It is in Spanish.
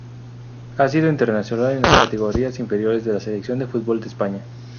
Ha sido internacional en las categorías inferiores de la selección de fútbol de España.